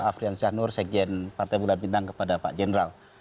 afrian syahnur sekjen partai bulan bintang kepada pak jenderal